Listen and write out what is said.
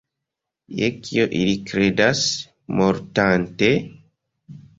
Je kio ili kredas, mortante?